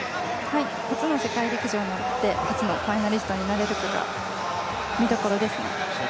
初の世界陸上なので初のファイナリストになれるかが見どころですね。